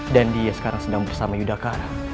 dan dia sekarang sedang bersama yudhacara